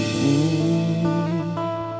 aku masih yakin nanti milikmu